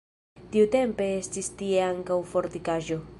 Tiutempe estis tie ankaŭ fortikaĵo.